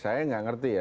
saya gak ngerti ya